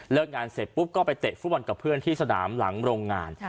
งานเสร็จปุ๊บก็ไปเตะฟุตบอลกับเพื่อนที่สนามหลังโรงงาน